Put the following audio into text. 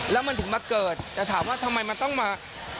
แล้วมันถึงมาเกิดแต่ถามว่าทำไมมันต้องมา